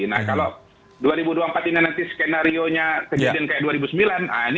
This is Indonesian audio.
nah kalau dua ribu dua puluh empat ini nanti skenario nya kejadian kayak gini